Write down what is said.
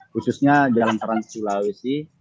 khususnya jalan trans sulawesi